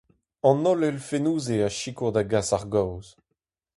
An holl elfennoù-se a sikour da gas ar gaoz.